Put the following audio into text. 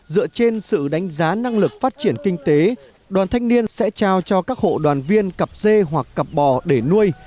dựa trên sự đánh giá năng lực phát triển kinh tế đoàn thanh niên sẽ trao cho các hộ đoàn viên cặp dê hoặc cặp bò để nuôi